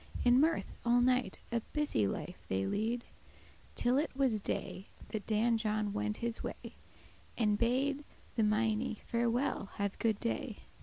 In mirth all night a busy life they lead, Till it was day, that Dan John went his way, And bade the meinie* "Farewell; have good day."